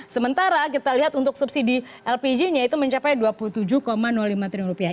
sementara kita lihat untuk subsidi lpg nya itu mencapai dua puluh tujuh lima triliun rupiah